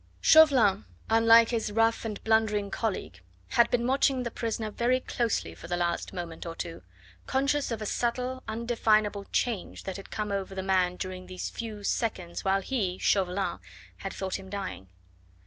Chauvelin, unlike his rough and blundering colleague, had been watching the prisoner very closely for the last moment or two, conscious of a subtle, undefinable change that had come over the man during those few seconds while he, Chauvelin, had thought him dying.